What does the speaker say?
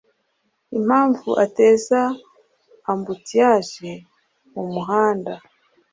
impamvu ateza ambutiyage mu muhanda,